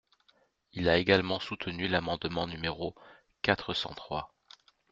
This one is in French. Il a également soutenu l’amendement numéro quatre cent trois.